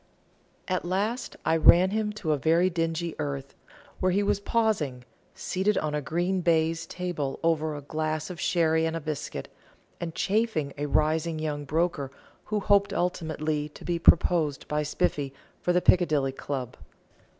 At last I ran him to a very dingy earth, where he was pausing, seated on a green baize table over a glass of sherry and a biscuit, and chaffing a rising young broker who hoped ultimately to be proposed by Spiffy for the Piccadilly Club.